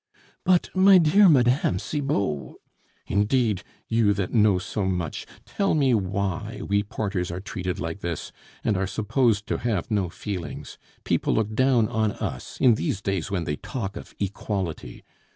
"But, my dear Mme. Cibot " "Indeed, you that know so much, tell me why we porters are treated like this, and are supposed to have no feelings; people look down on us in these days when they talk of Equality!